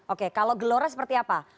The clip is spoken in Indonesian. oke kalau gelora seperti apa